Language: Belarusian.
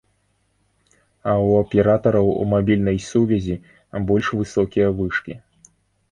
А ў аператараў мабільнай сувязі больш высокія вышкі.